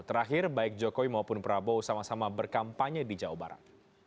terakhir baik jokowi maupun prabowo sama sama berkampanye di jawa barat